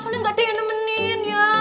soalnya gak ada yang nemenin ya